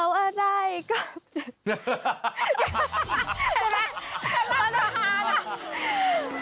เห็นไหม